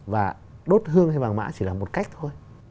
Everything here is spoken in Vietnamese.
và đốt hương hay vàng mã chỉ là một cách thôi